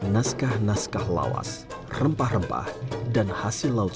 naskah naskah lawas rempah rempah dan kemampuan